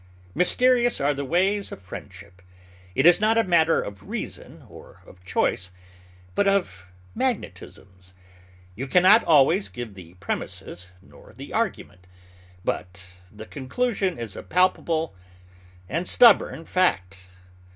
Mysterious are the ways of friendship. It is not a matter of reason or of choice, but of magnetisms. You can not always give the premises nor the argument, but the conclusion is a palpable and stubborn fact.